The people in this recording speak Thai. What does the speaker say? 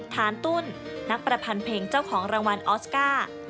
ฐานตุ้นนักประพันเพลงเจ้าของรางวัลออสการ์